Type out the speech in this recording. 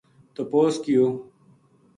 تپوس کیو